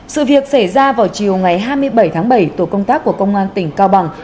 sự việc xảy ra vào chiều ngày hai mươi bảy tháng bảy tổ công tác của công an tỉnh cao bằng